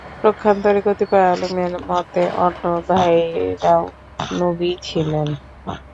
পক্ষান্তরে কতিপয় আলিমের মতে, অন্য ভাইরাও নবী ছিলেন।